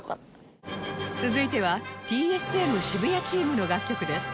続いては ＴＳＭ 渋谷チームの楽曲です